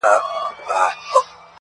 سـتـــا خــبــــــري دي,